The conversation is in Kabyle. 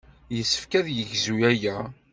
Yessefk ad yegzu aya.